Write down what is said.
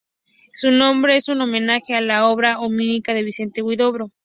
Su nombre es un homenaje a la obra homónima de Vicente Huidobro.